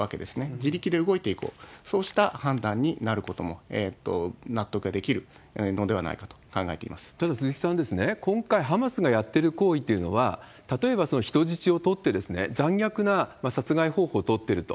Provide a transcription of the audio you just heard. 自力で動いていこう、そうした判断になることも納得ができるのではないかと考えていまただ、鈴木さん、今回ハマスがやってる行為というのは、例えば、人質を取って残虐な殺害方法を取ってると。